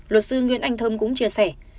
luật sư nguyễn anh thơm cũng chia sẻ